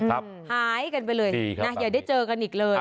ครับหายกันไปเลยเยอะได้เจอกันอีกเลย